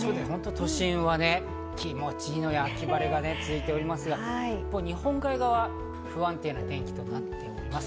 都心は気持ちいい秋晴れが続いておりますが、日本海側、不安定な天気となっております。